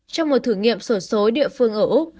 trong một thử nghiệm sổ số địa phương ở úc